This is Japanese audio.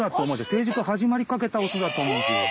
成熟始まりかけたオスだと思うんですよ。